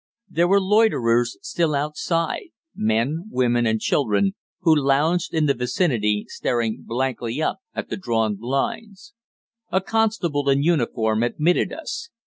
There were loiterers still outside, men, women, and children, who lounged in the vicinity, staring blankly up at the drawn blinds. A constable in uniform admitted us.